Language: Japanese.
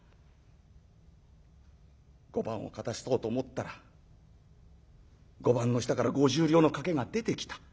「碁盤を片そうと思ったら碁盤の下から５０両の掛けが出てきた。